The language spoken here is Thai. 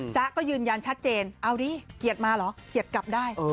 จ๊ะก็ยืนยันชัดเจนเอาดิเกียรติมาเหรอเกียรติกลับได้